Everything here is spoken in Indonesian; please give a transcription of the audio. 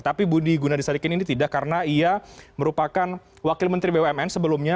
tapi budi gunadisadikin ini tidak karena ia merupakan wakil menteri bumn sebelumnya